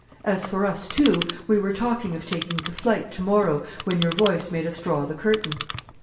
As for us two, we were talking of taking to flight tomorrow, when your voice made us draw the curtain.